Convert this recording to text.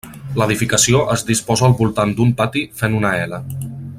L'edificació es disposa al voltant d'un pati fent una ela.